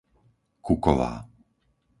Kuková